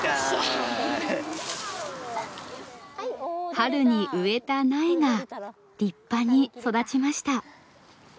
春に植えた苗が立派に育ちました。